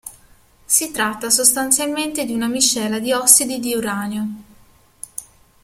Si tratta sostanzialmente di una miscela di ossidi di uranio.